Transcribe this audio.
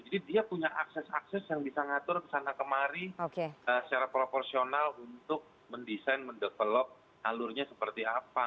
jadi dia punya akses akses yang bisa mengatur kesana kemari secara proporsional untuk mendesain mendevelop alurnya seperti apa